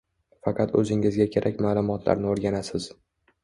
Faqat o’zingizga kerak ma’lumotlarni o’rganasiz